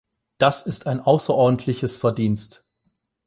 Das ist ein außerordentliches Verdienst.